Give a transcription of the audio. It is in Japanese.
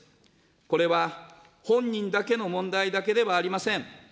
これは本人だけの問題だけではありません。